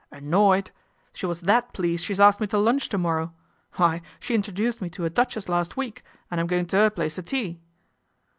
" Annoyed ! She was that pleased she's asked me to lunch to morrow. Why, she introduced me to a duchess last week, an' I'm goin' to 'er place to tea."